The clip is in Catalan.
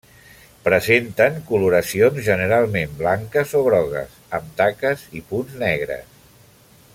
Presenten coloracions generalment blanques o grogues, amb taques i punts negres.